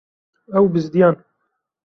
Ew bizdiyan.